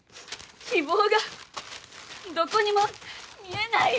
希望がどこにも見えないよ。